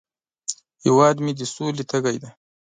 هیواد مې د سولې تږی دی